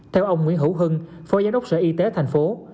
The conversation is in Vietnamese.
theo ông nguyễn hữu hưng phó giám đốc sở y tế tp hcm